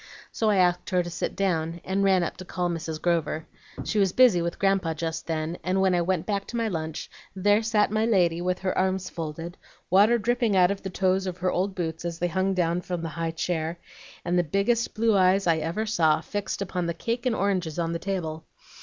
"So I asked her to sit down, and ran up to call Mrs. Grover. She was busy with Grandpa just then, and when I went back to my lunch there sat my lady with her arms folded, water dripping out of the toes of her old boots as they hung down from the high chair, and the biggest blue eyes I ever saw fixed upon the cake and oranges on the table.